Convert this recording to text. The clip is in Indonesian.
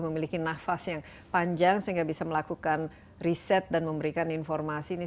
memiliki nafas yang panjang sehingga bisa melakukan riset dan memberikan informasi ini